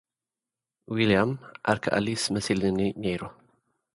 ዊልያም፡ ዓርኪ ኣሊስ መሲሉኒ ነይሩ።